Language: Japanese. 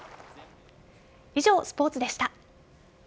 以上、スポーツでした。